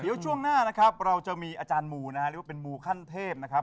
เดี๋ยวช่วงหน้านะครับเราจะมีอาจารย์มูนะฮะเรียกว่าเป็นมูขั้นเทพนะครับ